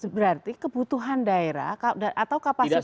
berarti kebutuhan daerah atau kapasitas